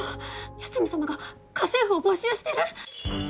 八海様が家政婦を募集している！